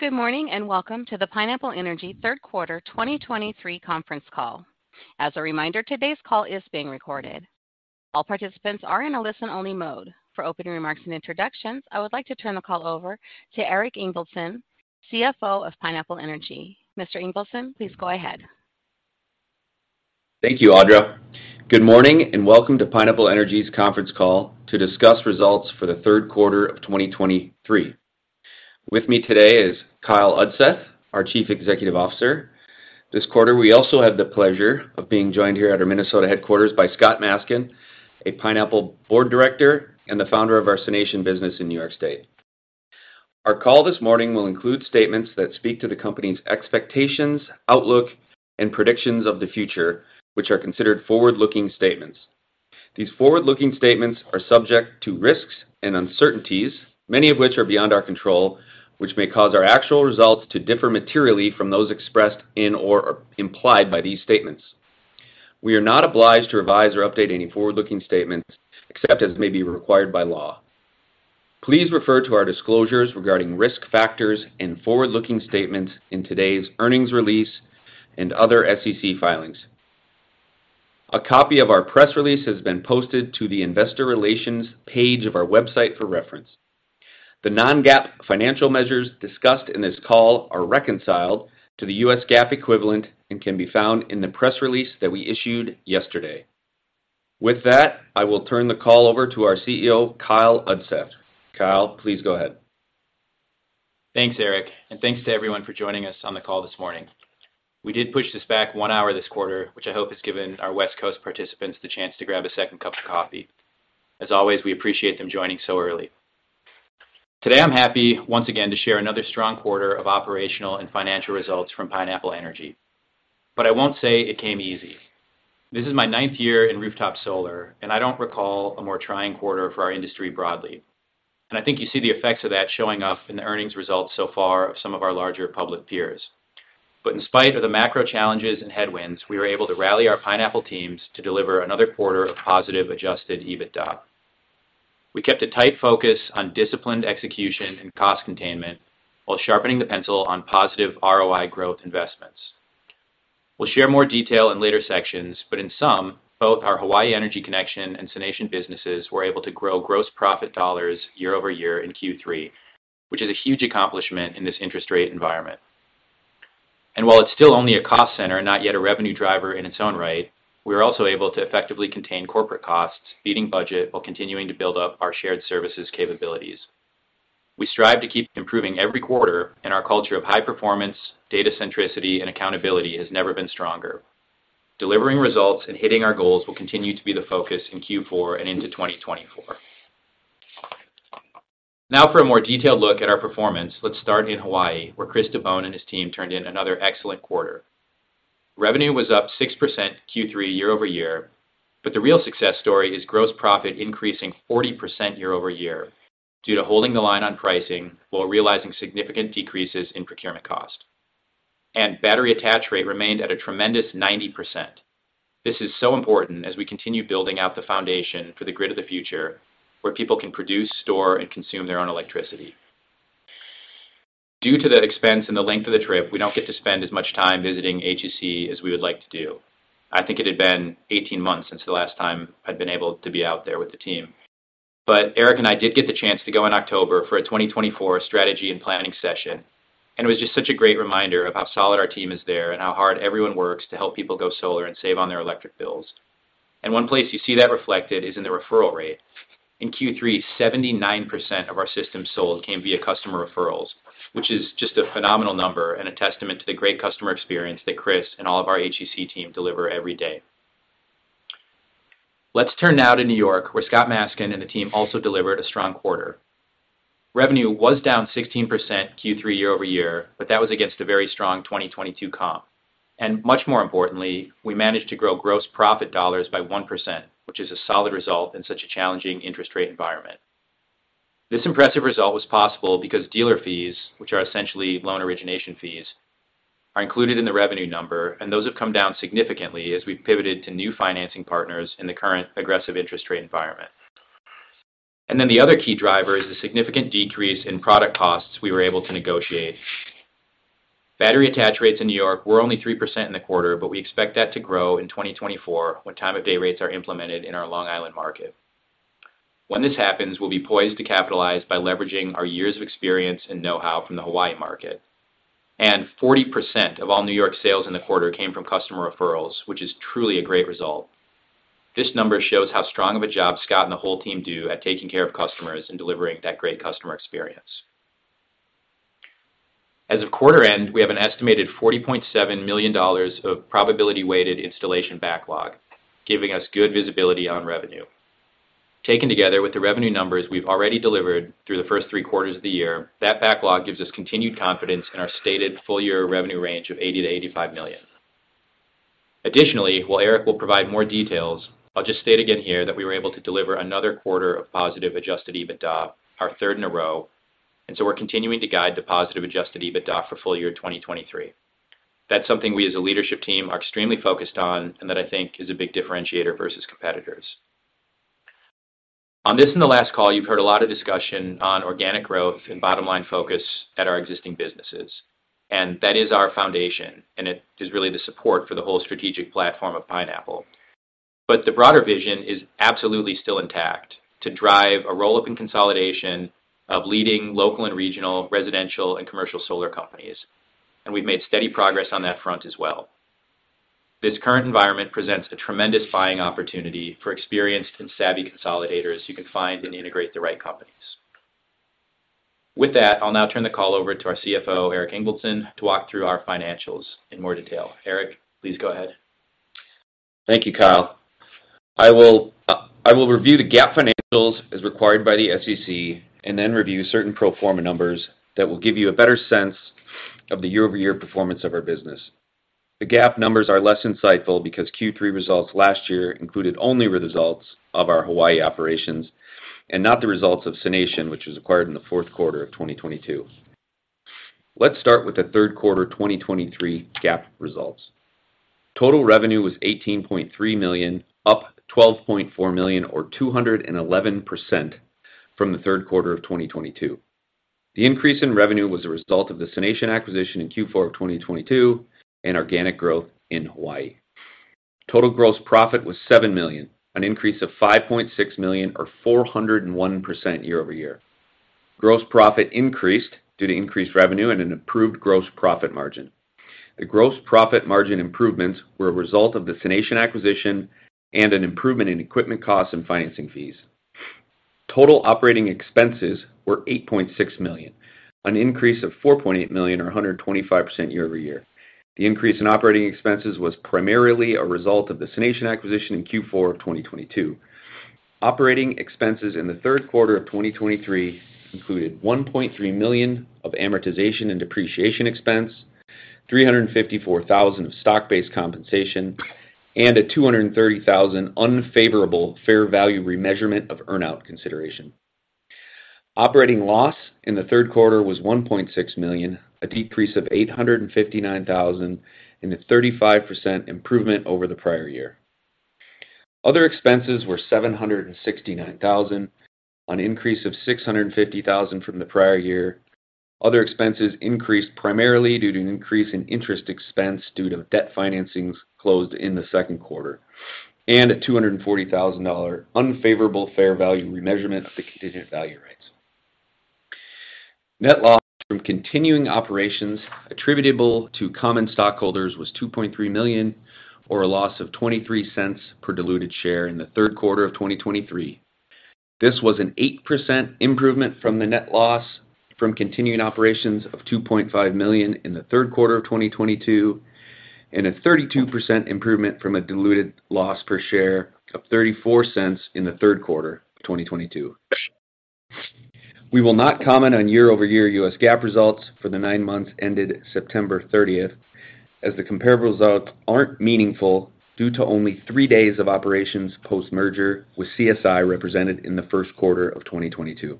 Good morning, and welcome to the Pineapple Energy third quarter 2023 conference call. As a reminder, today's call is being recorded. All participants are in a listen-only mode. For opening remarks and introductions, I would like to turn the call over to Eric Ingvaldson, CFO of Pineapple Energy. Mr. Ingvaldson, please go ahead. Thank you, Audra. Good morning, and welcome to Pineapple Energy's conference call to discuss results for the third quarter of 2023. With me today is Kyle Udseth, our Chief Executive Officer. This quarter, we also have the pleasure of being joined here at our Minnesota headquarters by Scott Maskin, a Pineapple Board Director and the founder of our SUNation business in New York State. Our call this morning will include statements that speak to the company's expectations, outlook, and predictions of the future, which are considered forward-looking statements. These forward-looking statements are subject to risks and uncertainties, many of which are beyond our control, which may cause our actual results to differ materially from those expressed in or implied by these statements. We are not obliged to revise or update any forward-looking statements except as may be required by law. Please refer to our disclosures regarding risk factors and forward-looking statements in today's earnings release and other SEC filings. A copy of our press release has been posted to the investor relations page of our website for reference. The non-GAAP financial measures discussed in this call are reconciled to the U.S. GAAP equivalent and can be found in the press release that we issued yesterday. With that, I will turn the call over to our CEO, Kyle Udseth. Kyle, please go ahead. Thanks, Eric, and thanks to everyone for joining us on the call this morning. We did push this back one hour this quarter, which I hope has given our West Coast participants the chance to grab a second cup of coffee. As always, we appreciate them joining so early. Today, I'm happy once again to share another strong quarter of operational and financial results from Pineapple Energy. But I won't say it came easy. This is my ninth year in rooftop solar, and I don't recall a more trying quarter for our industry broadly. I think you see the effects of that showing up in the earnings results so far of some of our larger public peers. But in spite of the macro challenges and headwinds, we were able to rally our Pineapple teams to deliver another quarter of positive Adjusted EBITDA. We kept a tight focus on disciplined execution and cost containment while sharpening the pencil on positive ROI growth investments. We'll share more detail in later sections, but in sum, both our Hawaii Energy Connection and SUNation businesses were able to grow gross profit dollars year-over-year in Q3, which is a huge accomplishment in this interest rate environment. While it's still only a cost center and not yet a revenue driver in its own right, we were also able to effectively contain corporate costs, beating budget while continuing to build up our shared services capabilities. We strive to keep improving every quarter, and our culture of high performance, data centricity, and accountability has never been stronger. Delivering results and hitting our goals will continue to be the focus in Q4 and into 2024. Now for a more detailed look at our performance, let's start in Hawaii, where Chris DeBone and his team turned in another excellent quarter. Revenue was up 6% Q3 year-over-year, but the real success story is gross profit increasing 40% year-over-year due to holding the line on pricing while realizing significant decreases in procurement cost. Battery attach rate remained at a tremendous 90%. This is so important as we continue building out the foundation for the grid of the future, where people can produce, store, and consume their own electricity. Due to the expense and the length of the trip, we don't get to spend as much time visiting HEC as we would like to do. I think it had been 18 months since the last time I'd been able to be out there with the team. But Eric and I did get the chance to go in October for a 2024 strategy and planning session, and it was just such a great reminder of how solid our team is there and how hard everyone works to help people go solar and save on their electric bills. And one place you see that reflected is in the referral rate. In Q3, 79% of our systems sold came via customer referrals, which is just a phenomenal number and a testament to the great customer experience that Chris and all of our HEC team deliver every day. Let's turn now to New York, where Scott Maskin and the team also delivered a strong quarter. Revenue was down 16% Q3 year-over-year, but that was against a very strong 2022 comp. Much more importantly, we managed to grow gross profit dollars by 1%, which is a solid result in such a challenging interest rate environment. This impressive result was possible because dealer fees, which are essentially loan origination fees, are included in the revenue number, and those have come down significantly as we've pivoted to new financing partners in the current aggressive interest rate environment. Then the other key driver is the significant decrease in product costs we were able to negotiate. Battery attach rates in New York were only 3% in the quarter, but we expect that to grow in 2024, when time-of-day rates are implemented in our Long Island market. When this happens, we'll be poised to capitalize by leveraging our years of experience and know-how from the Hawaii market. Forty percent of all New York sales in the quarter came from customer referrals, which is truly a great result. This number shows how strong of a job Scott and the whole team do at taking care of customers and delivering that great customer experience. As of quarter end, we have an estimated $40.7 million of probability-weighted installation backlog, giving us good visibility on revenue. Taken together with the revenue numbers we've already delivered through the first three quarters of the year, that backlog gives us continued confidence in our stated full-year revenue range of $80 million-$85 million. Additionally, while Eric will provide more details, I'll just state again here that we were able to deliver another quarter of positive Adjusted EBITDA, our third in a row, and so we're continuing to guide the positive Adjusted EBITDA for full year 2023. That's something we as a leadership team are extremely focused on and that I think is a big differentiator versus competitors.... On this and the last call, you've heard a lot of discussion on organic growth and bottom-line focus at our existing businesses, and that is our foundation, and it is really the support for the whole strategic platform of Pineapple. But the broader vision is absolutely still intact, to drive a roll-up and consolidation of leading local and regional, residential, and commercial solar companies, and we've made steady progress on that front as well. This current environment presents a tremendous buying opportunity for experienced and savvy consolidators who can find and integrate the right companies. With that, I'll now turn the call over to our CFO, Eric Ingvaldson, to walk through our financials in more detail. Eric, please go ahead. Thank you, Kyle. I will, I will review the GAAP financials as required by the SEC, and then review certain pro forma numbers that will give you a better sense of the year-over-year performance of our business. The GAAP numbers are less insightful because Q3 results last year included only the results of our Hawaii operations, and not the results of SUNation, which was acquired in the fourth quarter of 2022. Let's start with the third quarter 2023 GAAP results. Total revenue was $18.3 million, up $12.4 million or 211% from the third quarter of 2022. The increase in revenue was a result of the SUNation acquisition in Q4 of 2022 and organic growth in Hawaii. Total gross profit was $7 million, an increase of $5.6 million, or 401% year-over-year. Gross profit increased due to increased revenue and an improved gross profit margin. The gross profit margin improvements were a result of the SUNation acquisition and an improvement in equipment costs and financing fees. Total operating expenses were $8.6 million, an increase of $4.8 million, or 125% year-over-year. The increase in operating expenses was primarily a result of the SUNation acquisition in Q4 of 2022. Operating expenses in the third quarter of 2023 included $1.3 million of amortization and depreciation expense, $354,000 of stock-based compensation, and a $230,000 unfavorable fair value remeasurement of earn-out consideration. Operating loss in the third quarter was $1.6 million, a decrease of $859,000 and a 35% improvement over the prior year. Other expenses were $769,000, an increase of $650,000 from the prior year. Other expenses increased primarily due to an increase in interest expense due to debt financings closed in the second quarter, and a $240,000 unfavorable fair value remeasurement of the contingent value rights. Net loss from continuing operations attributable to common stockholders was $2.3 million, or a loss of $0.23 per diluted share in the third quarter of 2023. This was an 8% improvement from the net loss from continuing operations of $2.5 million in the third quarter of 2022, and a 32% improvement from a diluted loss per share of $0.34 in the third quarter of 2022. We will not comment on year-over-year U.S. GAAP results for the nine months ended September 30, as the comparable results aren't meaningful due to only three days of operations post-merger, with CSI represented in the first quarter of 2022.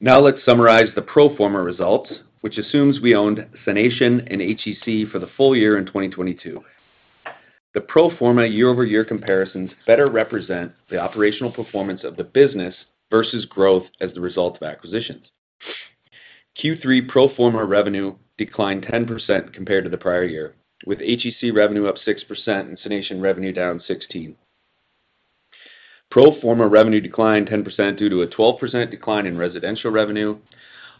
Now let's summarize the pro forma results, which assumes we owned SUNation and HEC for the full year in 2022. The pro forma year-over-year comparisons better represent the operational performance of the business versus growth as the result of acquisitions. Q3 pro forma revenue declined 10% compared to the prior year, with HEC revenue up 6% and SUNation revenue down 16%. Pro forma revenue declined 10% due to a 12% decline in residential revenue,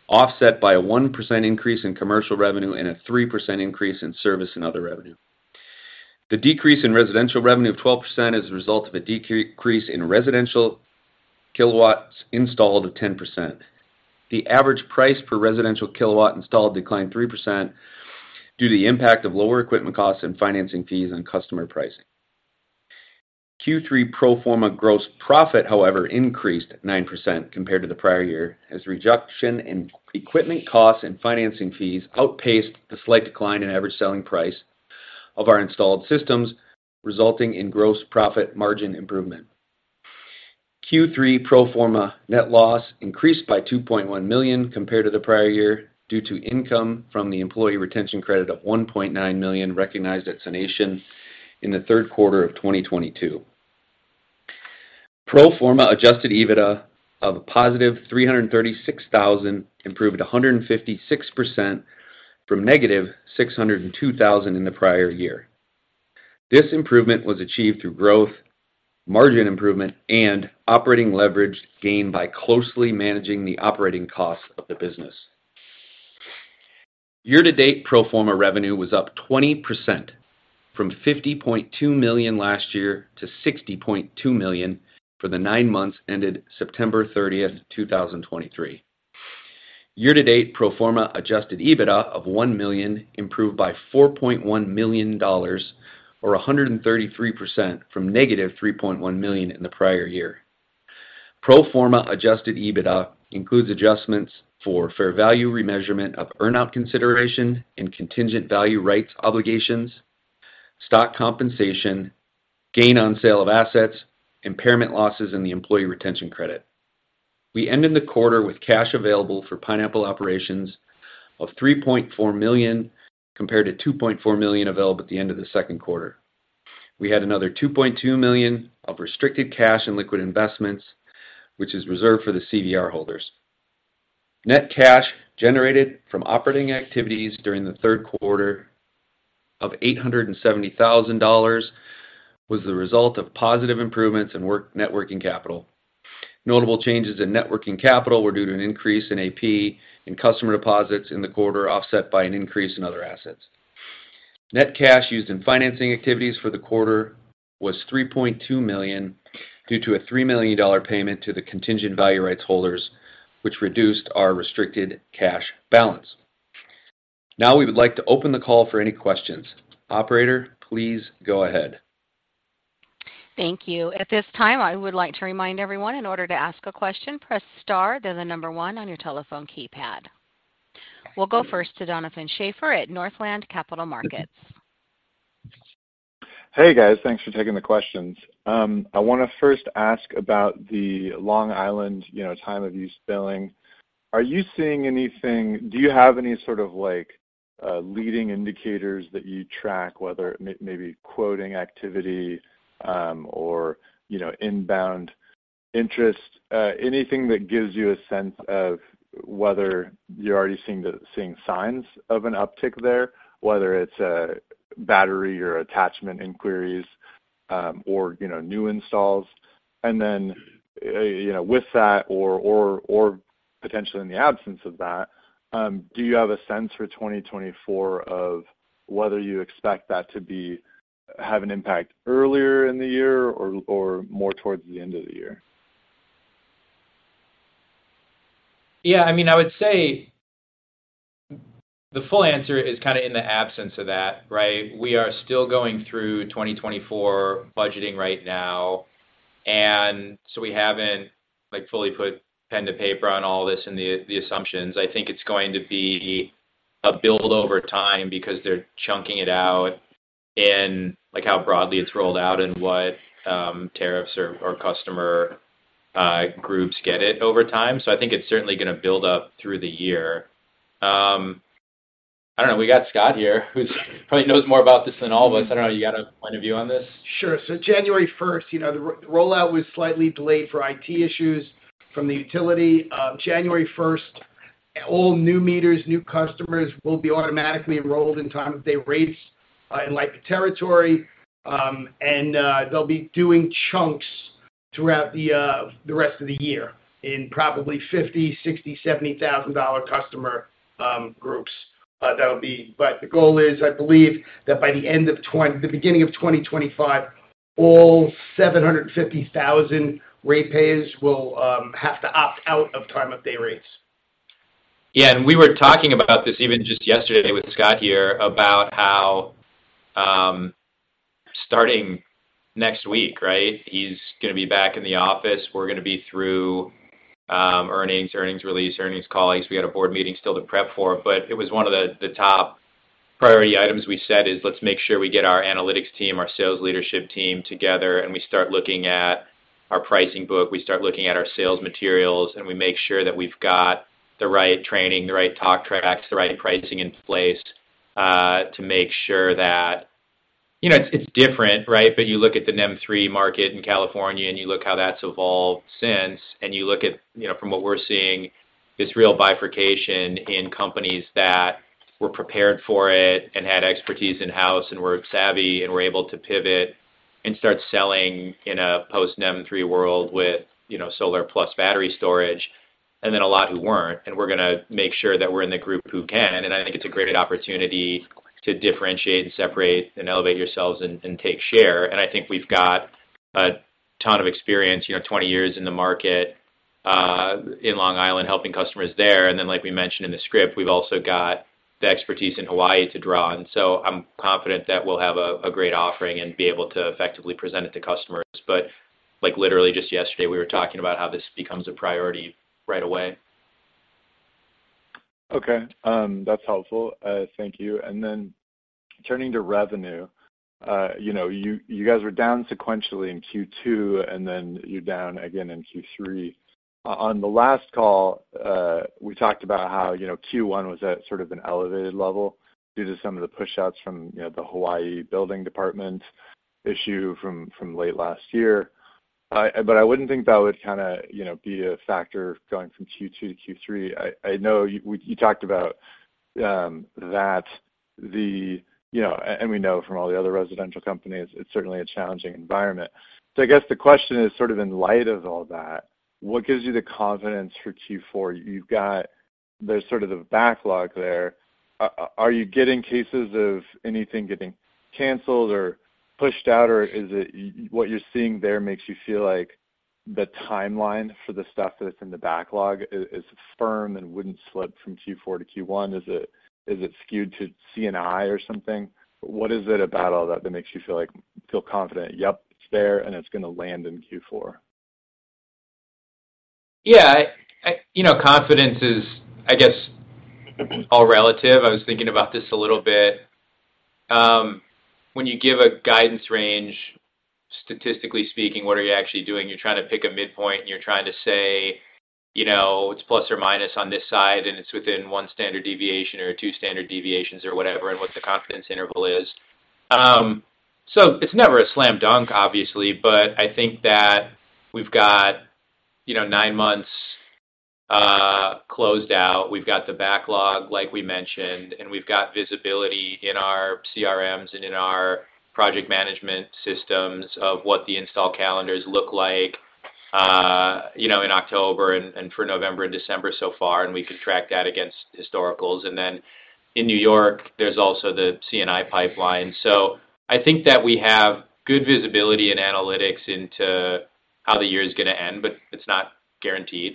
offset by a 1% increase in commercial revenue and a 3% increase in service and other revenue. The decrease in residential revenue of 12% is a result of a decrease in residential kilowatts installed of 10%. The average price per residential kilowatt installed declined 3% due to the impact of lower equipment costs and financing fees on customer pricing. Q3 pro forma gross profit, however, increased 9% compared to the prior year, as reduction in equipment costs and financing fees outpaced the slight decline in average selling price of our installed systems, resulting in gross profit margin improvement. Q3 pro forma net loss increased by $2.1 million compared to the prior year, due to income from the employee retention credit of $1.9 million recognized at SUNation in the third quarter of 2022. Pro forma Adjusted EBITDA of $336,000, improved 156% from -$602,000 in the prior year. This improvement was achieved through growth, margin improvement, and operating leverage gained by closely managing the operating costs of the business. Year-to-date pro forma revenue was up 20% from $50.2 million last year to $60.2 million for the nine months ended September 30, 2023. Year-to-date pro forma Adjusted EBITDA of $1 million improved by $4.1 million, or 133%, from -$3.1 million in the prior year. Pro forma Adjusted EBITDA includes adjustments for fair value, remeasurement of earn-out consideration and Contingent Value Rights obligations, stock compensation, gain on sale of assets, impairment losses, and the Employee Retention Credit.... We ended the quarter with cash available for Pineapple operations of $3.4 million, compared to $2.4 million available at the end of the second quarter. We had another $2.2 million of restricted cash and liquid investments, which is reserved for the CVR holders. Net cash generated from operating activities during the third quarter of $870,000 was the result of positive improvements in working capital. Notable changes in working capital were due to an increase in AP and customer deposits in the quarter, offset by an increase in other assets. Net cash used in financing activities for the quarter was $3.2 million, due to a $3 million payment to the contingent value rights holders, which reduced our restricted cash balance. Now, we would like to open the call for any questions. Operator, please go ahead. Thank you. At this time, I would like to remind everyone, in order to ask a question, press Star, then 1 on your telephone keypad. We'll go first to Donovan Schafer at Northland Capital Markets. Hey, guys. Thanks for taking the questions. I want to first ask about the Long Island, you know, time-of-use billing. Are you seeing anything? Do you have any sort of like, leading indicators that you track, whether it maybe quoting activity, or, you know, inbound interest? Anything that gives you a sense of whether you're already seeing signs of an uptick there, whether it's a battery or attachment inquiries, or, you know, new installs. And then, you know, with that or, or, or potentially in the absence of that, do you have a sense for 2024 of whether you expect that to have an impact earlier in the year or, or more towards the end of the year? Yeah, I mean, I would say the full answer is kinda in the absence of that, right? We are still going through 2024 budgeting right now, and so we haven't, like, fully put pen to paper on all this and the assumptions. I think it's going to be a build over time because they're chunking it out and like, how broadly it's rolled out and what tariffs or customer groups get it over time. So I think it's certainly gonna build up through the year. I don't know. We got Scott here, who probably knows more about this than all of us. I don't know, you got a point of view on this? Sure. So January first, you know, the rollout was slightly delayed for IT issues from the utility. January first, all new meters, new customers will be automatically enrolled in time-of-day rates, in LIPA territory. And, they'll be doing chunks throughout the rest of the year in probably 50,000, 60,000, 70,000-customer groups. That'll be—but the goal is, I believe, that by the end of 2024, the beginning of 2025, all 750,000 ratepayers will have to opt out of time-of-day rates. Yeah, and we were talking about this even just yesterday with Scott here, about how, starting next week, right? He's gonna be back in the office. We're gonna be through earnings release, earnings calls. We had a board meeting still to prep for, but it was one of the top priority items we set is let's make sure we get our analytics team, our sales leadership team together, and we start looking at our pricing book, we start looking at our sales materials, and we make sure that we've got the right training, the right talk tracks, the right pricing in place, to make sure that... You know, it's different, right? But you look at the NEM 3 market in California, and you look how that's evolved since, and you look at, you know, from what we're seeing, this real bifurcation in companies that were prepared for it and had expertise in-house and were savvy and were able to pivot and start selling in a post-NEM 3 world with, you know, solar plus battery storage, and then a lot who weren't. And we're gonna make sure that we're in the group who can, and I think it's a great opportunity to differentiate and separate and elevate yourselves and, and take share. And I think we've got a ton of experience, you know, 20 years in the market, in Long Island, helping customers there. And then, like we mentioned in the script, we've also got the expertise in Hawaii to draw on. So I'm confident that we'll have a great offering and be able to effectively present it to customers. But like, literally just yesterday, we were talking about how this becomes a priority right away. Okay, that's helpful. Thank you. And then turning to revenue, you know, you guys were down sequentially in Q2, and then you're down again in Q3. On the last call, we talked about how, you know, Q1 was at sort of an elevated level due to some of the pushouts from, you know, the Hawaii Building Department issue from late last year. But I wouldn't think that would kinda be a factor going from Q2 to Q3. I know you talked about that the... You know, and we know from all the other residential companies, it's certainly a challenging environment. So I guess the question is, sort of in light of all that, what gives you the confidence for Q4? You've got-- there's sort of the backlog there. Are you getting cases of anything getting canceled or pushed out, or is it what you're seeing there makes you feel like the timeline for the stuff that's in the backlog is firm and wouldn't slip from Q4 to Q1? Is it, is it skewed to CNI or something? What is it about all that, that makes you feel like feel confident, "Yep, it's there, and it's gonna land in Q4"? Yeah, you know, confidence is, I guess, all relative. I was thinking about this a little bit... when you give a guidance range, statistically speaking, what are you actually doing? You're trying to pick a midpoint, and you're trying to say, you know, it's plus or minus on this side, and it's within one standard deviation or two standard deviations or whatever, and what the confidence interval is. So it's never a slam dunk, obviously, but I think that we've got, you know, nine months closed out. We've got the backlog, like we mentioned, and we've got visibility in our CRMs and in our project management systems of what the install calendars look like, you know, in October and for November and December so far, and we can track that against historicals. And then in New York, there's also the CNI pipeline. So I think that we have good visibility and analytics into how the year is going to end, but it's not guaranteed.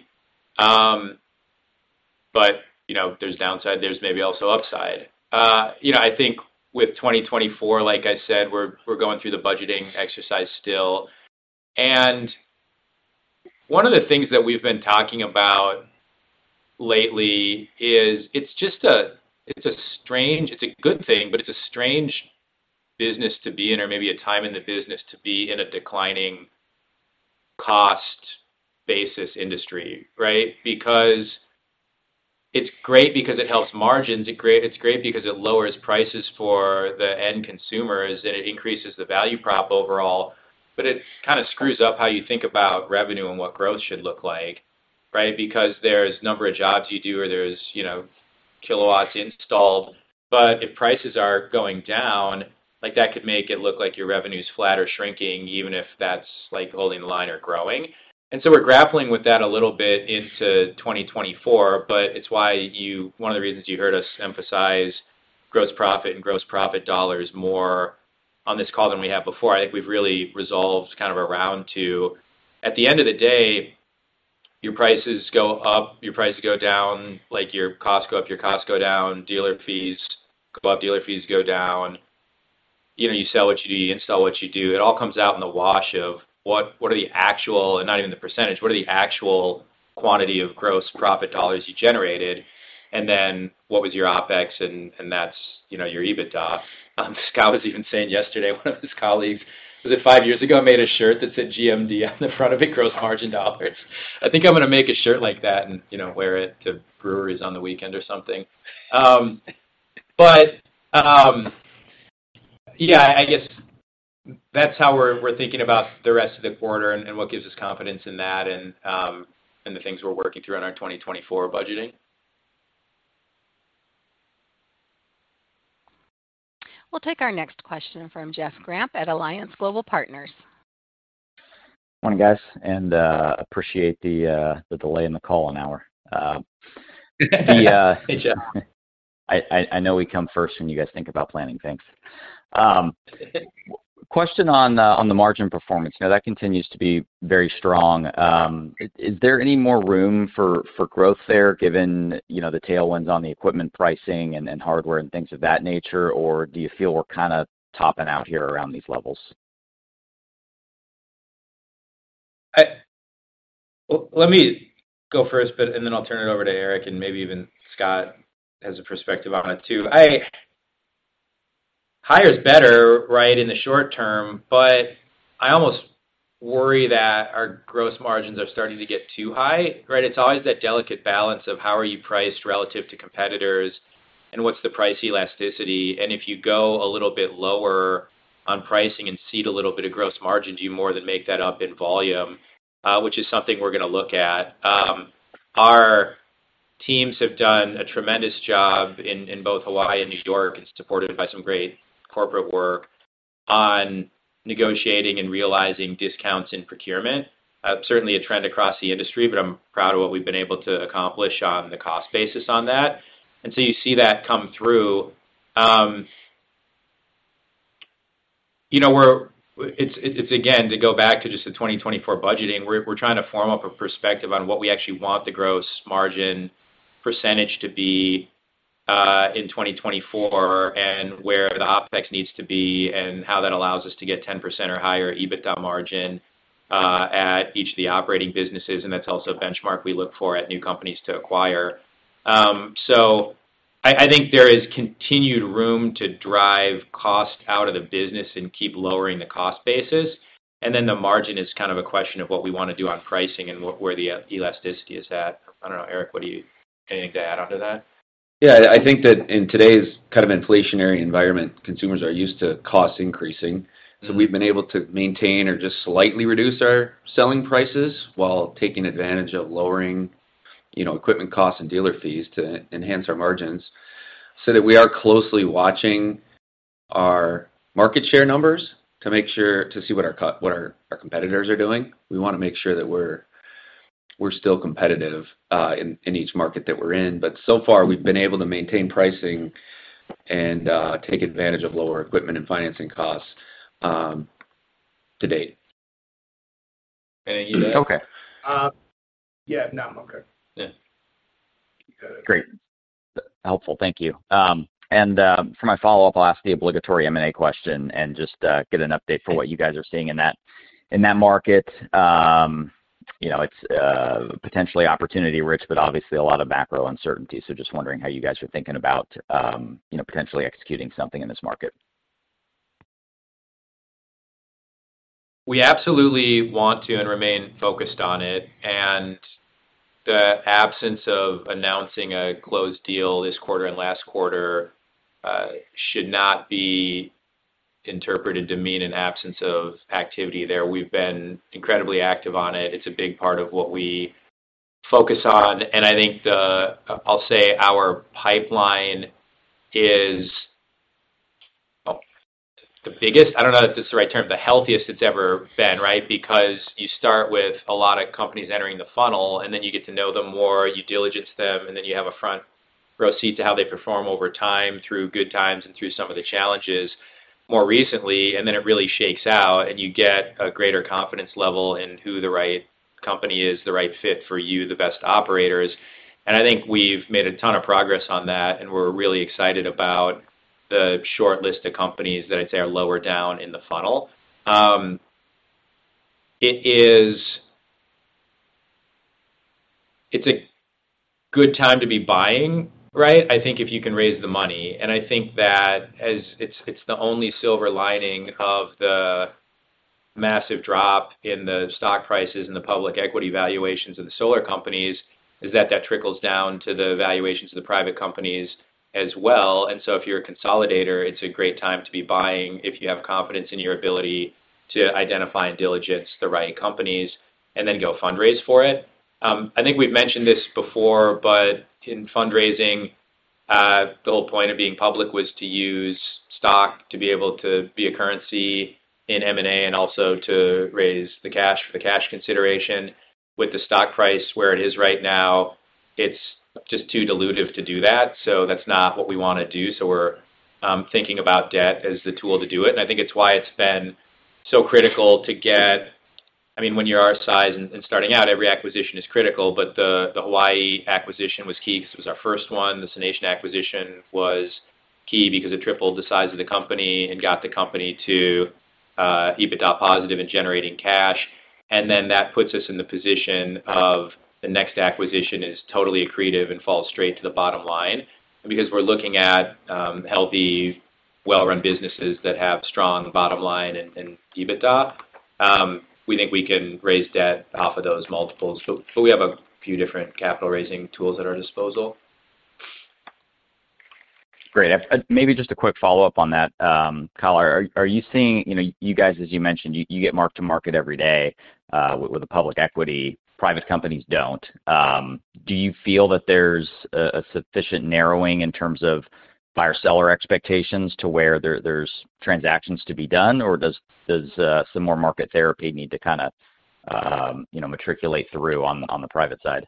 But, you know, there's downside, there's maybe also upside. You know, I think with 2024, like I said, we're going through the budgeting exercise still. And one of the things that we've been talking about lately is it's just a strange. It's a good thing, but it's a strange business to be in, or maybe a time in the business to be in a declining cost basis industry, right? Because it's great because it helps margins, it's great because it lowers prices for the end consumers, and it increases the value prop overall, but it kind of screws up how you think about revenue and what growth should look like, right? Because there's a number of jobs you do, or there's, you know, kilowatts installed. But if prices are going down, like, that could make it look like your revenue is flat or shrinking, even if that's, like, holding the line or growing. And so we're grappling with that a little bit into 2024, but it's why you—one of the reasons you heard us emphasize gross profit and gross profit dollars more on this call than we have before. I think we've really resolved kind of around to, at the end of the day, your prices go up, your prices go down, like, your costs go up, your costs go down, dealer fees go up, dealer fees go down. You know, you sell what you install, what you do. It all comes out in the wash of what, what are the actual, and not even the percentage, what are the actual quantity of gross profit dollars you generated? And then what was your OpEx? And, and that's, you know, your EBITDA. Scott was even saying yesterday, one of his colleagues, was it five years ago, made a shirt that said GMD on the front of it, gross margin dollars. I think I'm going to make a shirt like that and, you know, wear it to breweries on the weekend or something. But, yeah, I guess that's how we're, we're thinking about the rest of the quarter and, and what gives us confidence in that and, and the things we're working through on our 2024 budgeting. We'll take our next question from Jeff Grampp at Alliance Global Partners. Morning, guys, and appreciate the delay in the call an hour. Hey, Jeff. I know we come first when you guys think about planning things. Question on the margin performance. Now, that continues to be very strong. Is there any more room for growth there, given, you know, the tailwinds on the equipment pricing and hardware and things of that nature, or do you feel we're kind of topping out here around these levels? Well, let me go first, but and then I'll turn it over to Eric, and maybe even Scott has a perspective on it, too. Higher is better, right, in the short term, but I almost worry that our gross margins are starting to get too high, right? It's always that delicate balance of how are you priced relative to competitors and what's the price elasticity. And if you go a little bit lower on pricing and cede a little bit of gross margin, do you more than make that up in volume? Which is something we're going to look at. Our teams have done a tremendous job in both Hawaii and New York, and supported by some great corporate work on negotiating and realizing discounts in procurement. Certainly a trend across the industry, but I'm proud of what we've been able to accomplish on the cost basis on that. And so you see that come through. You know, we're - it's, again, to go back to just the 2024 budgeting, we're trying to form up a perspective on what we actually want the gross margin percentage to be, in 2024, and where the OpEx needs to be, and how that allows us to get 10% or higher EBITDA margin, at each of the operating businesses, and that's also a benchmark we look for at new companies to acquire. So I think there is continued room to drive cost out of the business and keep lowering the cost basis. And then the margin is kind of a question of what we want to do on pricing and what, where the elasticity is at. I don't know, Eric, what do you... Anything to add on to that? Yeah, I think that in today's kind of inflationary environment, consumers are used to costs increasing. So we've been able to maintain or just slightly reduce our selling prices while taking advantage of lowering, you know, equipment costs and dealer fees to enhance our margins, so that we are closely watching our market share numbers to make sure to see what our competitors are doing. We want to make sure that we're still competitive in each market that we're in. But so far, we've been able to maintain pricing and take advantage of lower equipment and financing costs to date. Okay. Yeah, no, I'm okay. Yeah. Great. Helpful. Thank you. And, for my follow-up, I'll ask the obligatory M&A question and just, get an update for what you guys are seeing in that, in that market. You know, it's, potentially opportunity-rich, but obviously a lot of macro uncertainty. So just wondering how you guys are thinking about, you know, potentially executing something in this market. We absolutely want to and remain focused on it, and the absence of announcing a closed deal this quarter and last quarter should not be interpreted to mean an absence of activity there. We've been incredibly active on it. It's a big part of what we focus on, and I think the, I'll say our pipeline is, well, the biggest, I don't know if this is the right term, the healthiest it's ever been, right? Because you start with a lot of companies entering the funnel, and then you get to know them more, you diligence them, and then you have a front-row seat to how they perform over time through good times and through some of the challenges more recently. And then it really shakes out, and you get a greater confidence level in who the right company is, the right fit for you, the best operators. I think we've made a ton of progress on that, and we're really excited about the short list of companies that I'd say are lower down in the funnel. It's a good time to be buying, right? I think if you can raise the money, and I think that it's the only silver lining of the massive drop in the stock prices and the public equity valuations of the solar companies, is that that trickles down to the valuations of the private companies as well. So if you're a consolidator, it's a great time to be buying, if you have confidence in your ability to identify and diligence the right companies and then go fundraise for it. I think we've mentioned this before, but in fundraising, the whole point of being public was to use stock to be able to be a currency in M&A and also to raise the cash for the cash consideration. With the stock price where it is right now, it's just too dilutive to do that, so that's not what we wanna do. So we're thinking about debt as the tool to do it. And I think it's why it's been so critical to get—I mean, when you're our size and starting out, every acquisition is critical, but the Hawaii acquisition was key because it was our first one. The SUNation acquisition was key because it tripled the size of the company and got the company to EBITDA positive and generating cash. And then that puts us in the position of the next acquisition is totally accretive and falls straight to the bottom line. Because we're looking at, healthy, well-run businesses that have strong bottom line and, and EBITDA, we think we can raise debt off of those multiples. So, so we have a few different capital-raising tools at our disposal. Great. Maybe just a quick follow-up on that. Kyle, are, are you seeing... You know, you guys, as you mentioned, you, you get mark to market every day, with, with the public equity. Private companies don't. Do you feel that there's a, a sufficient narrowing in terms of buyer-seller expectations to where there, there's transactions to be done, or does, does, some more market therapy need to kinda, you know, matriculate through on, on the private side?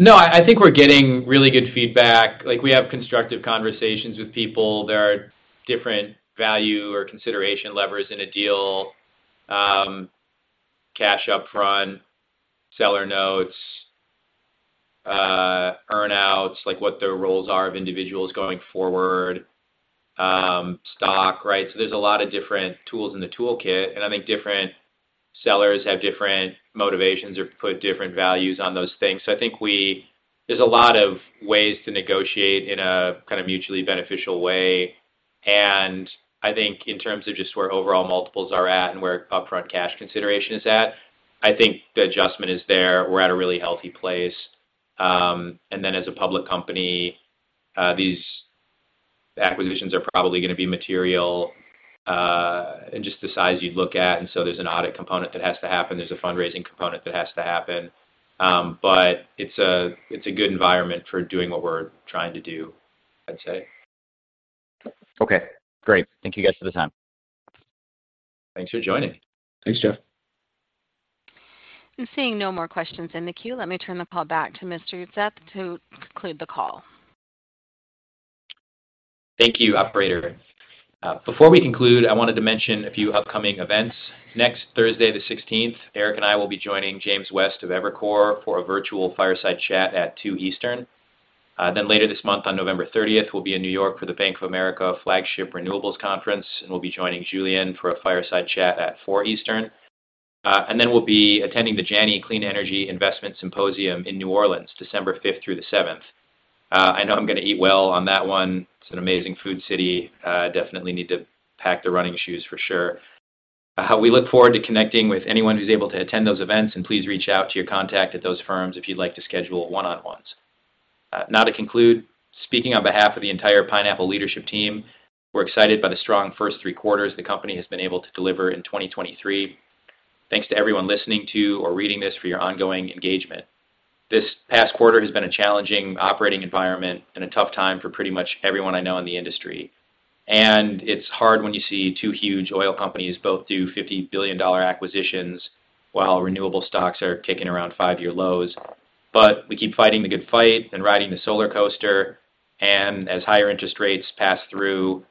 No, I think we're getting really good feedback. Like, we have constructive conversations with people. There are different value or consideration levers in a deal. Cash upfront, seller notes, earnouts, like, what the roles are of individuals going forward, stock, right? So there's a lot of different tools in the toolkit, and I think different sellers have different motivations or put different values on those things. So I think there's a lot of ways to negotiate in a mutually beneficial way. And I think in terms of just where overall multiples are at and where upfront cash consideration is at, I think the adjustment is there. We're at a really healthy place. And then as a public company, these acquisitions are probably gonna be material, and just the size you'd look at, and so there's an audit component that has to happen. There's a fundraising component that has to happen. But it's a good environment for doing what we're trying to do, I'd say. Okay, great. Thank you, guys, for the time. Thanks for joining. Thanks, Jeff. I'm seeing no more questions in the queue. Let me turn the call back to Mr. Udseth to conclude the call. Thank you, operator. Before we conclude, I wanted to mention a few upcoming events. Next Thursday, the 16th, Eric and I will be joining James West of Evercore for a virtual fireside chat at 2:00 P.M. Eastern. Then later this month, on November 30th, we'll be in New York for the Bank of America Flagship Renewables Conference, and we'll be joining Julian for a fireside chat at 4:00 P.M. Eastern. And then we'll be attending the Janney Clean Energy Investment Symposium in New Orleans, December 5th through the 7th. I know I'm gonna eat well on that one. It's an amazing food city. Definitely need to pack the running shoes for sure. We look forward to connecting with anyone who's able to attend those events, and please reach out to your contact at those firms if you'd like to schedule one-on-ones. Now, to conclude, speaking on behalf of the entire Pineapple leadership team, we're excited by the strong first three quarters the company has been able to deliver in 2023. Thanks to everyone listening to or reading this for your ongoing engagement. This past quarter has been a challenging operating environment and a tough time for pretty much everyone I know in the industry. It's hard when you see two huge oil companies both do $50 billion acquisitions while renewable stocks are kicking around five-year lows. We keep fighting the good fight and riding the solar coaster, and as higher interest rates pass through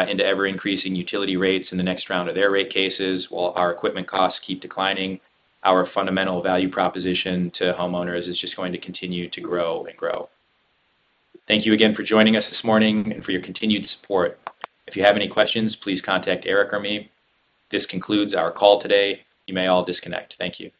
into ever-increasing utility rates in the next round of rate cases, while our equipment costs keep declining, our fundamental value proposition to homeowners is just going to continue to grow and grow. Thank you again for joining us this morning and for your continued support. If you have any questions, please contact Eric or me. This concludes our call today. You may all disconnect. Thank you.